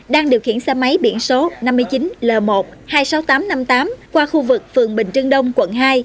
đang điều khiển xe máy biển số năm mươi chín l một hai mươi sáu nghìn tám trăm năm mươi tám qua khu vực phường bình trưng đông quận hai